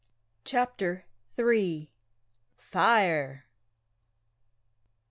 CHAPTER THREE. FIRE!!!